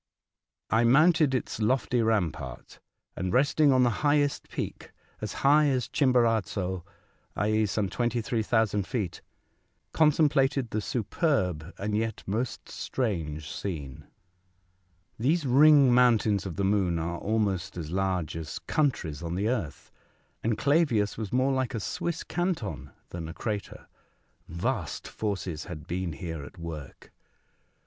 I mounted its lofty rampart, and resting on the highest peak, as high as Chimborazo, i.e., some 23,000 feet, contemplated the superb and yet most strange scene. These ring mountains of the moon are almost as large as countries on the earth, and Clavius was more like a Swiss canton than a crater. Vast forces had been here at work